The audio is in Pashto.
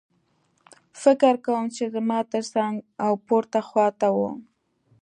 فکر کوم چې زما ترڅنګ او پورته خوا ته وو